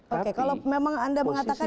oke kalau memang anda mengatakan